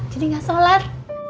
jadi nggak sholat